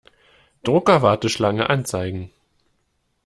Drucker-Warteschlange anzeigen.